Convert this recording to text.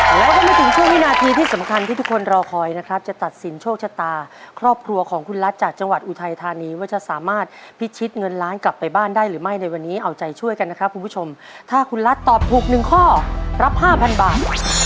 แล้วก็มาถึงช่วงวินาทีที่สำคัญที่ทุกคนรอคอยนะครับจะตัดสินโชคชะตาครอบครัวของคุณรัฐจากจังหวัดอุทัยธานีว่าจะสามารถพิชิตเงินล้านกลับไปบ้านได้หรือไม่ในวันนี้เอาใจช่วยกันนะครับคุณผู้ชมถ้าคุณรัฐตอบถูกหนึ่งข้อรับห้าพันบาท